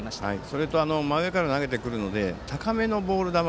それと真上から投げてくるので高めのボール球。